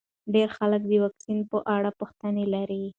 ډېر خلک د واکسین په اړه پوښتنې لري.